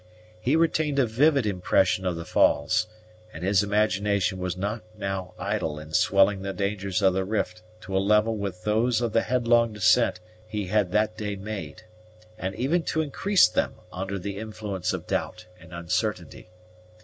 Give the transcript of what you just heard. He retained a vivid impression of the falls, and his imagination was not now idle in swelling the dangers of the rift to a level with those of the headlong descent he had that day made, and even to increase them, under the influence of doubt and uncertainty.